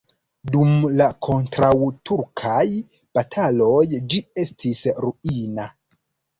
Dum la kontraŭturkaj bataloj ĝi estis ruina.